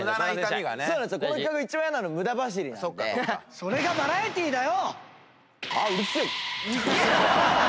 それがバラエティーだよ！